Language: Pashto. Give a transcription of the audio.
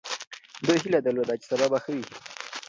ده هیله درلوده چې سبا به ښه وي.